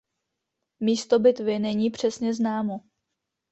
Místo bitvy není přesně známo.